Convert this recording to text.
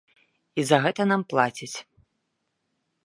І за гэта нам плацяць.